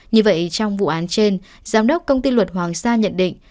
như vậy trong vụ án trên giám đốc công ty luật hoàng sa nhận định